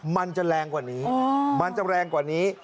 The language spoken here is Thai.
มันจะแรงกว่านี้มันจะแรงกว่านี้